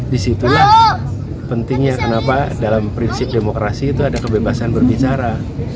disitulah pentingnya kenapa dalam prinsip demokrasi itu ada kebebasan berbicara